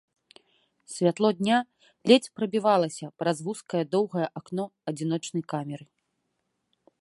Святло дня ледзь прабівалася праз вузкае доўгае акно адзіночнай камеры.